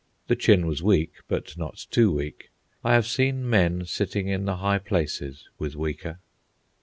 The chin was weak, but not too weak; I have seen men sitting in the high places with weaker.